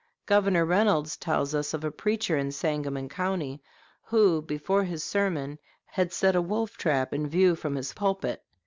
Governor Reynolds tells us of a preacher in Sangamon County, who, before his sermon, had set a wolf trap in view from his pulpit.